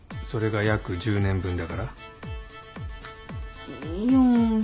それが約１０年分だから？